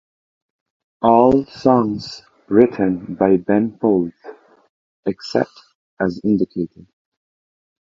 All songs written by Ben Folds except as indicated.